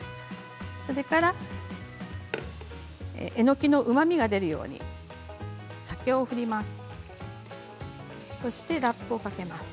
それからえのきのうまみが出るように酒を振ります。